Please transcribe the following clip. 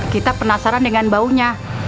kita penasaran dengan baunya